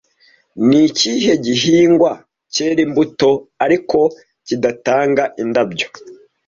Ni ikihe gihingwa cyera imbuto ariko kidatanga indabyo